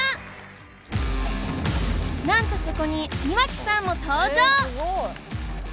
なんとそこに岩城さんも登場！